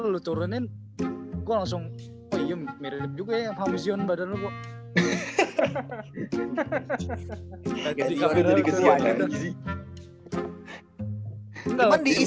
lu turunin gua langsung oh iya mirip juga ya hamzion badan lo gua jadi kecil lagi